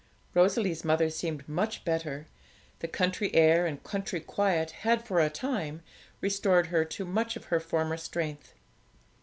Rosalie's mother seemed much better; the country air and country quiet had, for a time, restored to her much of her former strength.